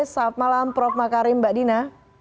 selamat malam prof makarim mbak dina